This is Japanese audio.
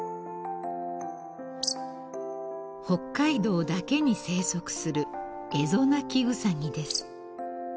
［北海道だけに生息するエゾナキウサギです］